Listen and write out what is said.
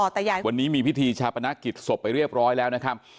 แต่วันนี้มีพิธีชาปนกิจศพไปเรียบร้อยแล้วนะครับ